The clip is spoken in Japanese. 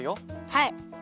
はい。